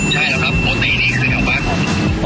ใช่แล้วครับปกตินี่คือแถวบ้านผม